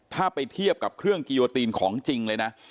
ถ้าไปเทียบกับเครื่องกิโยตีนของจริงเลยนะ